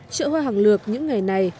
chợ hoa hàng lược những ngày này